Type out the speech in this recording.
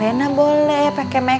rena boleh pake